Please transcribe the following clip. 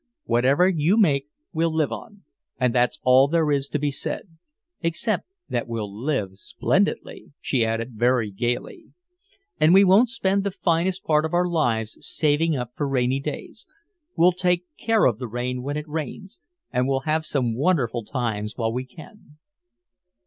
Whatever you make we'll live on, and that's all there is to be said except that we'll live splendidly," she added very gaily, "and we won't spend the finest part of our lives saving up for rainy days. We'll take care of the rain when it rains, and we'll have some wonderful times while we can."